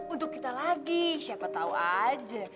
untuk kita lagi siapa tahu aja